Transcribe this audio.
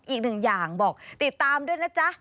อีกหนึ่งอย่างบอกติดตามด้วยนะจ๊ะ